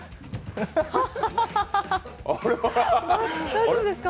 大丈夫ですか？